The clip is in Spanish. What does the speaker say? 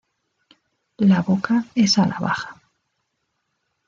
La boca es a la baja.